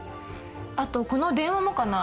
あとこの電話もかな？